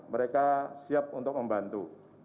mereka siap untuk membantu